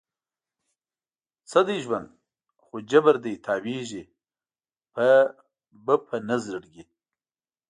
څه دی ژوند؟ خو جبر دی، تاویږې به په نه زړګي